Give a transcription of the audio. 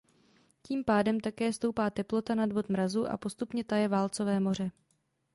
Tím pádem také stoupá teplota nad bod mrazu a postupně taje Válcové moře.